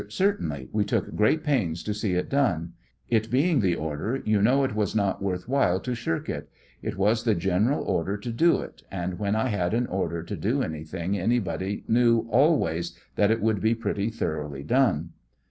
Certainly ; we took great pains to see it done ; it being the order, you know it was not worth while to shirk it ; it was the generaLorder to do it, and when I had, an order to do anything anybody knew always that it would be pretty, thoroughly done.